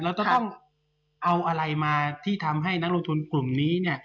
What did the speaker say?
เราต้องเอาอะไรมาที่จะทำให้ลักษณะลงทุนกลุ่มนี้